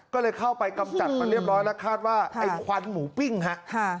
ก็เลยเข้าไปกำจัดมาเรียบร้อยแล้วคาดว่าไอ้ควันหมูปิ้งฮะ